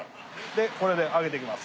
でこれで揚げていきます。